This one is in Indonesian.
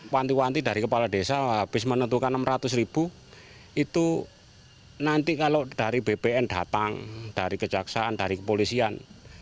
wanti wanti dari kepala desa habis menentukan rp enam ratus ribu itu nanti kalau dari bpn datang dari kejaksaan dari kepolisian